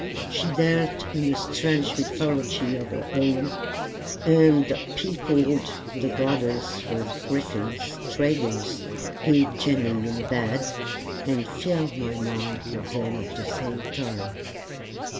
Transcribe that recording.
She dealt in a strange mythology of her own, and peopled the gardens with griffins, dragons, good genii and bad, and filled my mind with them at the same time.